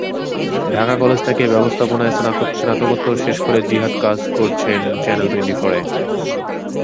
Dhaka college থেকে ব্যবস্থাপনায় স্নাতকোত্তর শেষ করে জিহাদ কাজ করছেন চ্যানেল টোয়েন্টিফোরে।